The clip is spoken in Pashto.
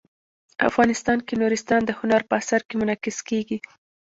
افغانستان کې نورستان د هنر په اثار کې منعکس کېږي.